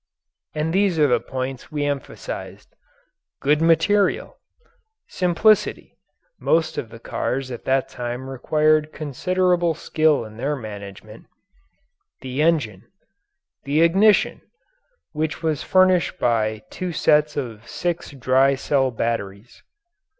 And these are the points we emphasized: Good material. Simplicity most of the cars at that time required considerable skill in their management. The engine. The ignition which was furnished by two sets of six dry cell batteries.